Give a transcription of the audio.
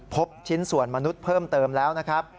พบชิ้นส่วนมนุษย์เพิ่มเติมแล้วนะครับ